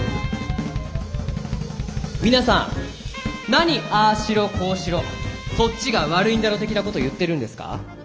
皆さん何ああしろこうしろそっちが悪いんだろ的な事言ってるんですか。